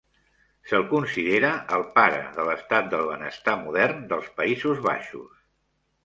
Se'l considera el pare de l'estat del benestar modern dels Països Baixos.